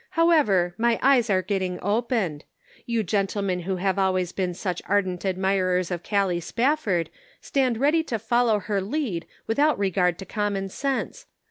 However, my eyes are getting opened ; you gentlemen who have always been such ardent admirers of Callie Spafford stand ready to follow her lead without regard to common sense.